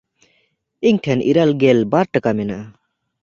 ᱤᱧ ᱴᱷᱮᱱ ᱤᱨᱟᱹᱞᱜᱮᱞ ᱵᱟᱨ ᱴᱟᱠᱟ ᱢᱮᱱᱟᱜᱼᱟ᱾